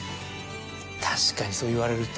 確かにそう言われると。